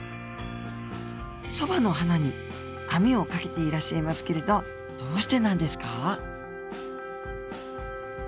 そばの花に網をかけていらっしゃいますけれどどうしてなんですか？